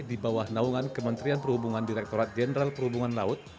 di bawah naungan kementerian perhubungan direkturat jenderal perhubungan laut